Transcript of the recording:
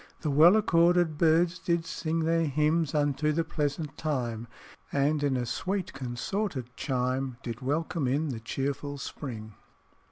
"The well accorded birds did sing Their hymns unto the pleasant time, And in a sweet consorted chime, Did welcome in the cheerful spring."